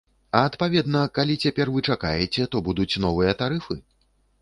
А адпаведна, калі цяпер вы чакаеце, то будуць новыя тарыфы?